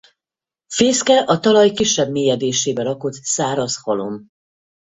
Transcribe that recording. Fészke a talaj kisebb mélyedésébe rakott száraz halom.